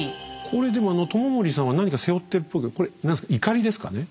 これでも知盛さんは何か背負ってるっぽいけどこれなんすかいかりですかね？